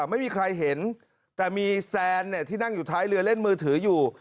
ไม่มีใครเห็นแต่มีแซนที่นั่งอยู่ท้ายเรือเล่นมือถืออยู่